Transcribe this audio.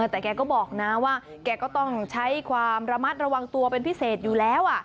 แต่แกก็บอกนะว่าแกก็ต้องใช้ความระมัดระวังตัวเป็นพิเศษอยู่แล้ว